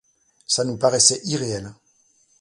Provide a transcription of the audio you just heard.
Ca nous paraissait irréel.